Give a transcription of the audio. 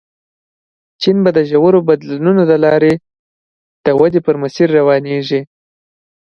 چین به د ژورو بدلونونو له لارې ودې په مسیر روانېږي.